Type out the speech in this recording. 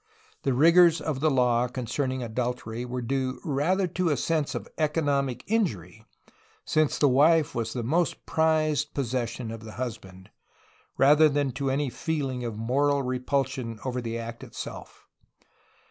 The rigors of the law concerning adultery were due rather to a sense of economic injury, since the wife was the most prized possession of the husband, rather than to any feeling of moral repulsion over the act itself.